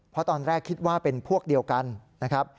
เพราะตอนแรกคิดว่าเป็นพวกเดียวกันนะครับ